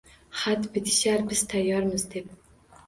Xat bitishar: “Biz tayyormiz!” deb.